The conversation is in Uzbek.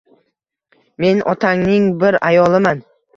Men otangning bir ayoliman.